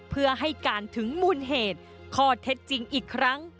เพื่อให้การถึงมูลเหตุข้อเท็จจริงอีกครั้ง